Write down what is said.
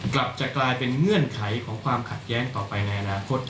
กลับจะกลายเป็นเงื่อนไขของความขัดแย้งต่อไปในอนาคต